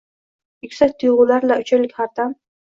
Yuksak, tuyg’ular-la uchaylik har dam.